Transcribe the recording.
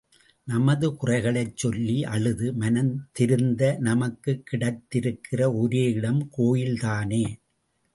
நமது குறைகளைச் சொல்லி அழுது, மனம் திருந்த நமக்குக் கிடைத்திருக்கிற ஒரே இடம் கோயில்தானே!